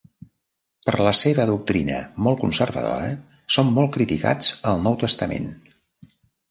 Per la seva doctrina molt conservadora són molt criticats al Nou Testament.